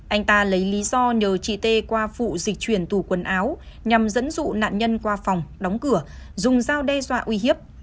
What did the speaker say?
anh ta lấy lý do nhờ chị tê qua phụ dịch chuyển tủ quần áo nhằm dẫn dụ nạn nhân qua phòng đóng cửa dùng dao đe dọa uy hiếp